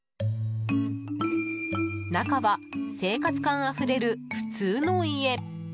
中は生活感あふれる普通の家。